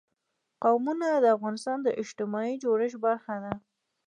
قومونه د افغانستان د اجتماعي جوړښت برخه ده.